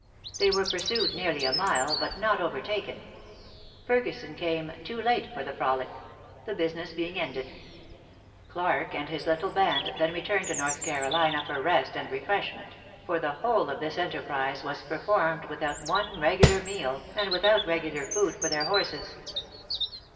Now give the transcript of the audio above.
They were pursued nearly a mile, but not overtaken. Ferguson came "too late for the frolic;" the business being ended. Clarke and his little band then returned to North Carolina for rest and refreshment; for the whole of this enterprise was performed without one regular meal, and without regular food for their horses.